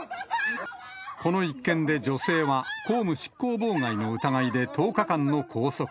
この一件で女性は、公務執行妨害の疑いで１０日間の拘束。